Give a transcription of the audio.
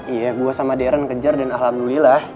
iya gue sama dern kejar dan alhamdulillah